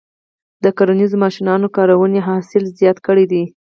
د کرنیزو ماشینونو کارونې حاصل زیات کړی دی.